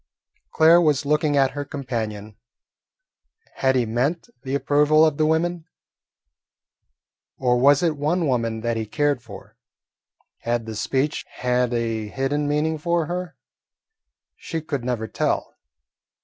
Claire was looking at her companion. Had he meant the approval of the women, or was it one woman that he cared for? Had the speech had a hidden meaning for her? She could never tell.